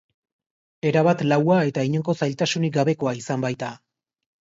Erabat laua eta inongo zailtasunik gabekoa izan baita.